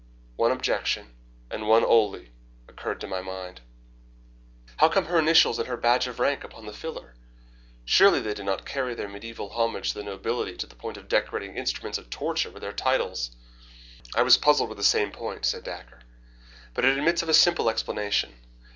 One objection, and one only, occurred to my mind. "How came her initials and her badge of rank upon the filler? Surely they did not carry their mediaeval homage to the nobility to the point of decorating instruments of torture with their titles?" "I was puzzled with the same point," said Dacre, "but it admits of a simple explanation.